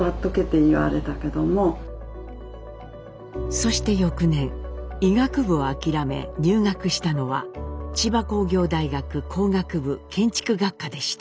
そして翌年医学部を諦め入学したのは千葉工業大学工学部建築学科でした。